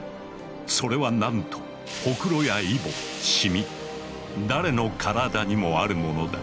それはなんとほくろやイボシミ誰の体にもあるものだ。